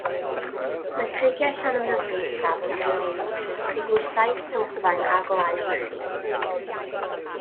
Mae creigiau Llanymddyfri Isaf yn cynnwys cruglwythau, tywodfaen a gwlâu o lechi.